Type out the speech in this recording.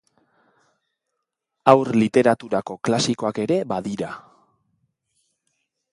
Haur literaturako klasikoak ere badira.